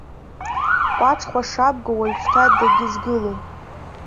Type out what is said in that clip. Кәаҿ хәашабга уажәшьҭа дагьызгылом.